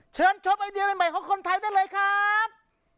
เชิญชมไอเดียใหม่ของคนไทยได้เลยครับ